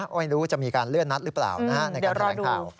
ไม่รู้จะมีการเลื่อนนัดหรือเปล่าในการแถลงข่าว